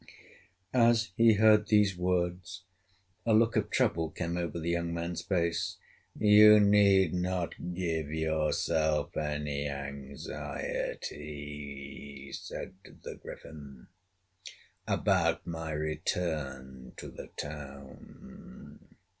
As he heard these words, a look of trouble came over the young man's face. "You need not give yourself any anxiety," said the Griffin, "about my return to the town.